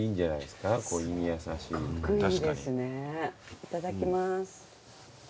いただきます。